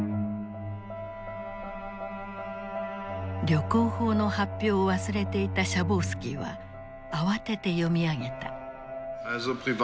旅行法の発表を忘れていたシャボウスキーは慌てて読み上げた。